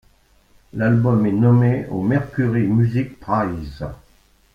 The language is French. L'album est nommé au Mercury Music Prize.